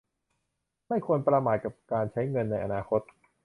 ไม่ควรประมาทกับการใช้เงินในอนาคต